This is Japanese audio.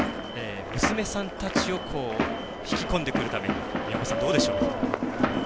娘さんたちを引き込んでくるために宮本さん、どうでしょう？